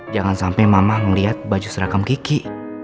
jangan sampe mama ngeliat baju serakam kiki